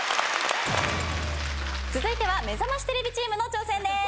続いてはめざましテレビチームの挑戦です。